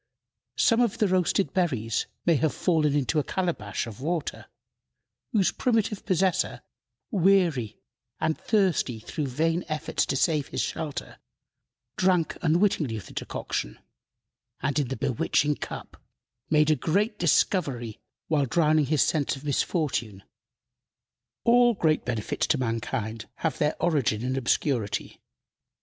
Some of the roasted berries may have fallen into a calabash of water, whose primitive possessor, weary and thirsty through vain efforts to save his shelter, drank unwittingly of the decoction, and, in the bewitching cup, made a great discovery while drowning his sense of misfortune. All great benefits to mankind have their origin in obscurity.